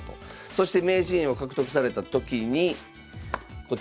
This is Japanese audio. そして名人位を獲得された時にこちら。